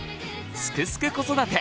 「すくすく子育て」